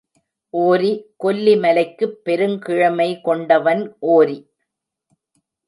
ஓரி கொல்லிமலைக்குப் பெருங்கிழமை கொண்டவன் ஓரி.